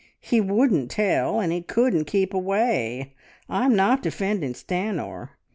He wouldn't tell, and he couldn't keep away! I'm not defending Stanor.